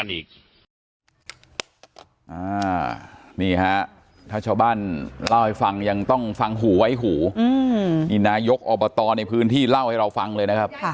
นี่ฮะถ้าชาวบ้านเล่าให้ฟังยังต้องฟังหูไว้หูนี่นายกอบตในพื้นที่เล่าให้เราฟังเลยนะครับ